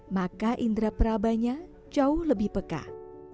maka indera perabahan ini akan menjadi kekuatan